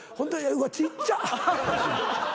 うわっちっちゃ。